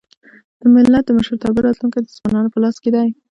د ملت د مشرتابه راتلونکی د ځوانانو په لاس کي دی.